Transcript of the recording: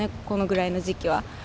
このぐらいの時期は。